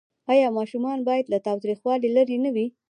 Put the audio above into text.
آیا ماشومان باید له تاوتریخوالي لرې نه وي؟